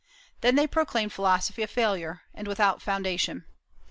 Then they proclaimed philosophy a failure, and without foundation.